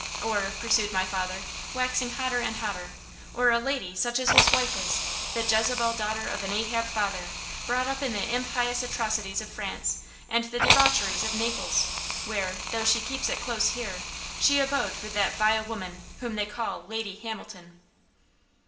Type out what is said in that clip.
"Or," pursued my father, waxing hotter and hotter, "or a 'lady' such as his wife is, the Jezebel daughter of an Ahab father! brought up in the impious atrocities of France, and the debaucheries of Naples, where, though she keeps it close here, she abode with that vile woman whom they call Lady Hamilton."